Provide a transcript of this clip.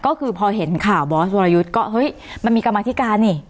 ก็คือพอเห็นข่าวบอสวรยุทธ์ก็เฮ้ยมันมีกรรมธิการนี่